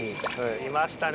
いましたね。